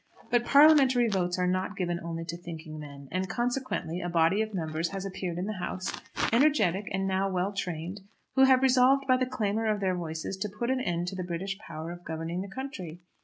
But parliamentary votes are not given only to thinking men; and consequently a body of members has appeared in the House, energetic and now well trained, who have resolved by the clamour of their voices to put an end to the British power of governing the country.